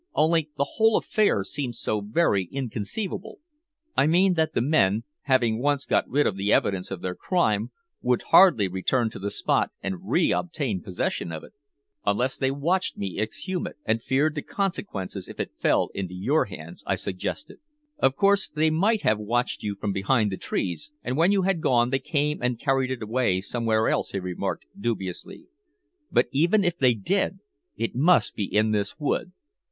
"Only the whole affair seems so very inconceivable I mean that the men, having once got rid of the evidence of their crime, would hardly return to the spot and re obtain possession of it." "Unless they watched me exhume it, and feared the consequences if it fell into your hands," I suggested. "Of course they might have watched you from behind the trees, and when you had gone they came and carried it away somewhere else," he remarked dubiously; "but even if they did, it must be in this wood.